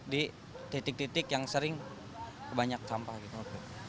di titik titik yang sering banyak sampah gitu